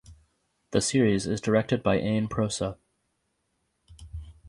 The series is directed by Ain Prosa.